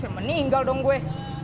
meninggal dong gue